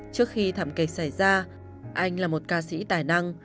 trước khi thảm kịch xảy ra anh là một ca sĩ tài năng